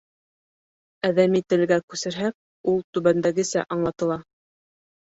Әҙәми телгә күсерһәк, ул түбәндәгесә аңлатыла: